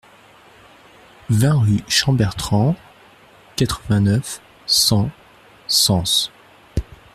vingt rue Champbertrand, quatre-vingt-neuf, cent, Sens